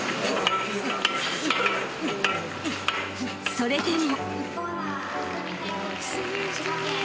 ［それでも］